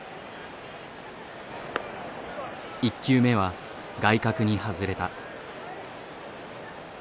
１球目は外角に外れた。